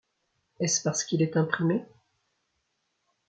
Est-ce parce qu’il est imprimé?